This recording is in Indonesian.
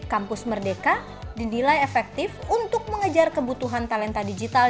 kampus merdeka dinilai efektif untuk mengejar kebutuhan talenta digital